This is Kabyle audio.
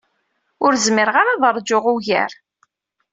Ur zmireɣ ara ad rǧuɣ ugar.